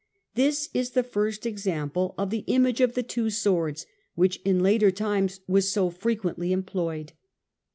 This is the first example of the image of the two swords, which in later times was so frequently employed.